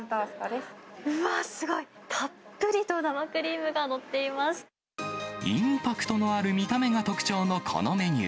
うわっ、すごい。たっぷりとインパクトのある見た目が特徴のこのメニュー。